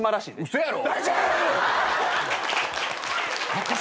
嘘やろ？